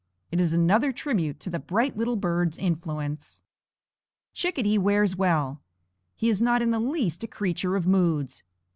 It is another tribute to the bright little bird's influence. Chickadee wears well. He is not in the least a creature of moods.